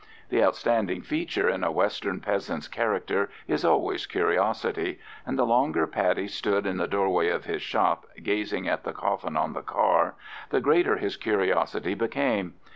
The outstanding feature in a western peasant's character is always curiosity, and the longer Paddy stood in the doorway of his shop gazing at the coffin on the car, the greater his curiosity became.